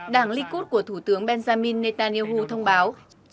đảng likud của thủ tướng benjamin netanyahu thông báo